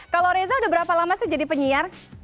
kalau reza udah berapa lama sih jadi penyiar